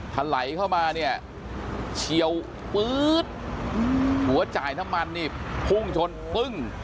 ถลายเข้ามาเนี่ยเฉียวปื๊ดหัวจ่ายน้ำมันนี่พุ่งชนปึ้ง